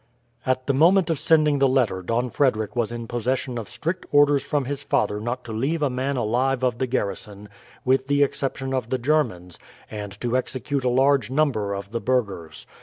At the moment of sending the letter Don Frederick was in possession of strict orders from his father not to leave a man alive of the garrison, with the exception of the Germans, and to execute a large number of the burghers.